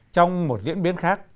trong một diễn biến khác